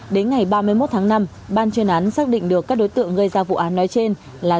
đến ngày ba mươi một tháng năm ban chuyên án xác định được các đối tượng gây ra vụ án nói trên là